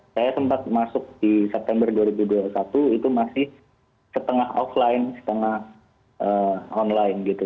saya sempat masuk di september dua ribu dua puluh satu itu masih setengah offline setengah online gitu